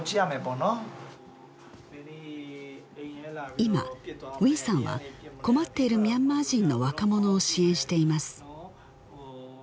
今ウィンさんは困っているミャンマー人の若者を支援しています